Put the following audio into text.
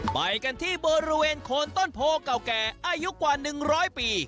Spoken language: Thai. ไปกันที่บริเวณโคนต้นโพเก่าแก่อายุกว่า๑๐๐ปี